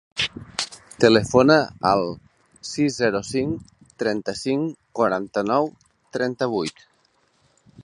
Telefona al sis, zero, cinc, trenta-cinc, quaranta-nou, trenta-vuit.